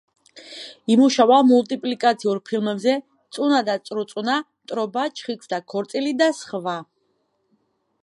იმუშავა მულტიპლიკაციურ ფილმებზე: „წუნა და წრუწუნა“, „მტრობა“, „ჩხიკვთა ქორწილი“ და სხვა.